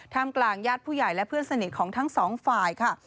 กลางญาติผู้ใหญ่และเพื่อนสนิทของทั้งสองฝ่ายค่ะ